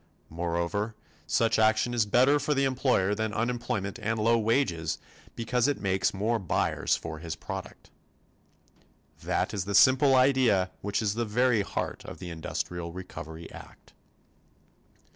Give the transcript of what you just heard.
Moreover, such action is better for the employer than unemployment and low wages, because it makes more buyers for his product. That is the simple idea which is the very heart of the Industrial Recovery Act.